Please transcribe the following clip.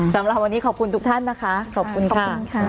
สำหรับวันนี้ขอบคุณทุกท่านนะคะขอบคุณค่ะ